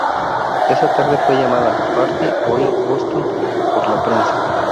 Esa tarde fue llamada "Party Oil Boston" por la prensa.